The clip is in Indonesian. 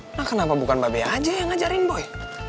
nah kenapa bukan mba be aja yang ngajarin boy